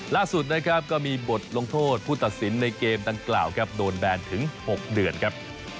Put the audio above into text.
ล่าสุดนะครับก็มีบทลงโทษผู้ตัดสินในเกมดังกล่าวครับโดนแบนถึง๖เดือนครับ